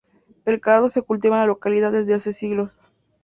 El cardo se cultiva en la localidad desde hace siglos.